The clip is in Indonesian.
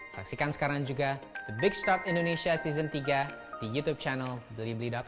saksikan sekarang juga the big start indonesia season tiga di youtube channel blibli com